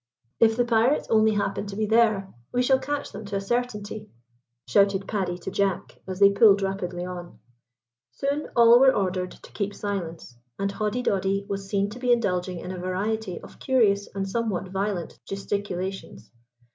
"If the pirates only happen to be there, we shall catch them to a certainty," shouted Paddy to Jack, as they pulled rapidly on. Soon all were ordered to keep silence, and Hoddidoddi was seen to be indulging in a variety of curious and somewhat violent gesticulations.